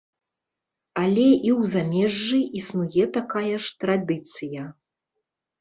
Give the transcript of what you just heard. Але і ў замежжы існуе такая ж традыцыя.